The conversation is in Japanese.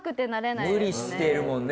無理してるもんね